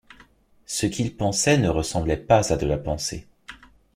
Ce qu’il pensait ne ressemblait pas à de la pensée.